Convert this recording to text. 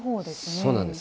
そうなんです。